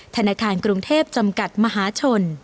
ธนาคารกรุงเทพจำกัดมหาชน